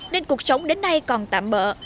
nên cuộc sống đến nay còn tạm bỡ